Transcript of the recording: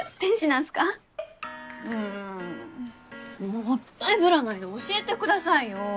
もったいぶらないで教えてくださいよ。